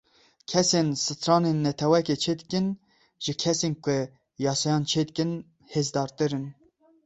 Kesên stranên netewekê çêdikin, ji kesên ku yasayan çêdikin hêzdartir in.